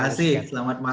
terima kasih selamat malam